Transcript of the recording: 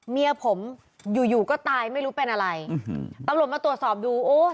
เมียผมอยู่อยู่ก็ตายไม่รู้เป็นอะไรตำรวจมาตรวจสอบดูโอ้